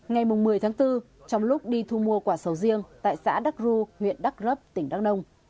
ngày một mươi tháng bốn trong lúc đi thu mua quả sầu riêng tại xã đắc ru huyện đắk rấp tỉnh đắk nông